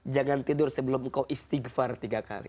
jangan tidur sebelum engkau istighfar tiga kali